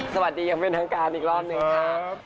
สวัสดียังเป็นทางการอีกรอบนึงค่ะ